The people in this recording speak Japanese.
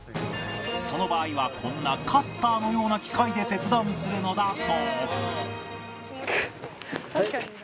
その場合はこんなカッターのような機械で切断するのだそう